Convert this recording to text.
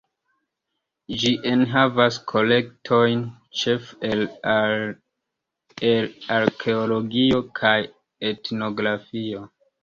Ĝi enhavas kolektojn ĉefe el arkeologio kaj etnografio.